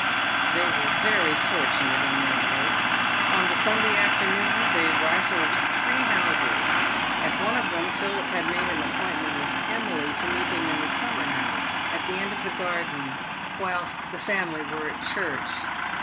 They were very fortunate in their work. On the Sunday afternoon, they rifled three houses. At one of them, Philip had made an ap pointment with Emily to meet him in the summer house at the end of the garden, whilst the family were at church.